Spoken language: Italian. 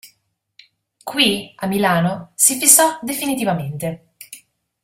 Qui, a Milano, si fissò definitivamente.